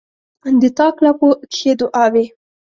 د تاک لپو کښې دعاوې،